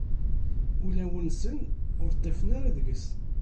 Ulawen-nsen ur ṭṭifen ara deg-s.